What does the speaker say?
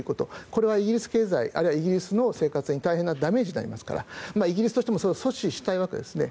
これはイギリス経済あるいはイギリスの生活に大変なダメージになりますからイギリスとしても阻止したいわけですね。